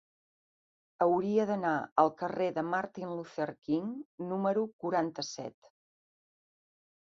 Hauria d'anar al carrer de Martin Luther King número quaranta-set.